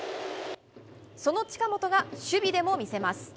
その近本が守備でも見せます。